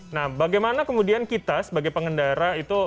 nah bagaimana kemudian kita sebagai pengendara itu membawa kembali ke bengkel